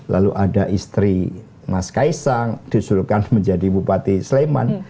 lalu ada istri mas kaisang disuruhkan menjadi bupati sleman